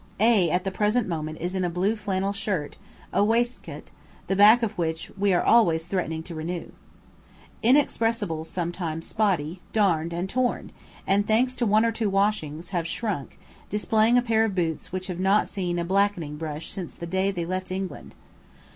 A at the present moment is in a blue flannel shirt, a waistcoat, the back of which we are always threatening to renew. Inexpressibles somewhat spotty, darned, and torn, and, thanks to one or two washings, have shrunk, displaying a pair of boots which have not seen a blacking brush since the day they left England.